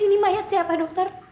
ini mayat siapa dokter